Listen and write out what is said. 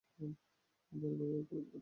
আমি পরিবারকেই অগ্রাধিকার দিয়েছি।